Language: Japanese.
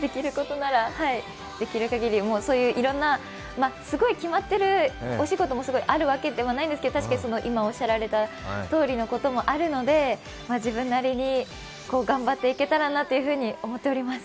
できることなら、できる限りそういう、決まってるお仕事もあるわけではないんですけれども、確かに今おっしゃられたとおりのこともあるので自分なりに頑張っていけたらなと思っております。